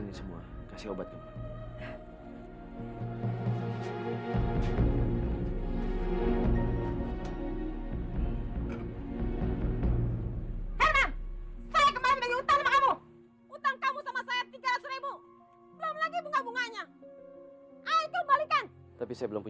lagian mak saya juga masih sakit bu